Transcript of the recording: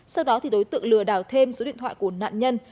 sau đó thì đối tượng lừa đảo thêm số điện thoại của nạn nhân